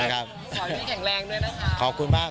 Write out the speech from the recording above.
ขอบคุณมาก